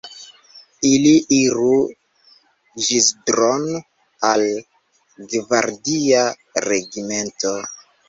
Ili iru Ĵizdro'n, al gvardia regimento.